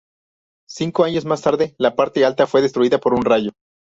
Cinco años más tarde la parte alta fue destruida por un rayo.